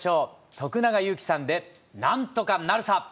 徳永ゆうきさんで「なんとかなるさ」。